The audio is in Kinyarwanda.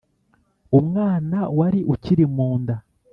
umwana wari ukiri mu nda.